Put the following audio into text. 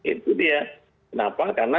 itu dia kenapa karena